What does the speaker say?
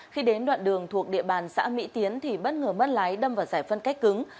khi đến đoạn đường thuộc địa bàn xã mỹ tiến thì bất ngờ mất lái đâm vào giải phân cách cứng